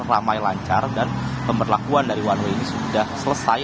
ramai lancar dan pemberlakuan dari one way ini sudah selesai